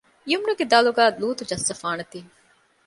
ޔުމްނުގެ ދަލުގައި ލޫޠު ޖައްސަފާނެތީ